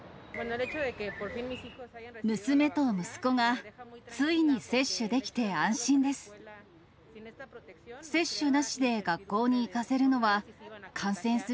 娘と息子がついに接種できて安心です。